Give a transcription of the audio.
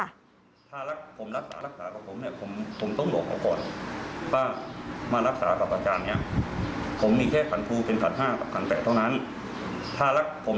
อาจจะทราบเป็นบางคน